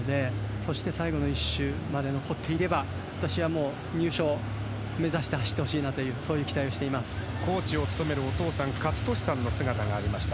そして、最後の１周まで残っていれば私は、入賞を目指して走ってほしいというコーチを務めるお父さんの姿がありました。